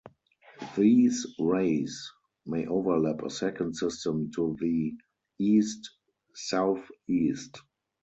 These rays may overlap a second system to the east-southeast.